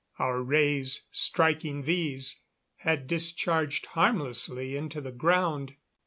Our rays, striking these, had discharged harmlessly into the ground.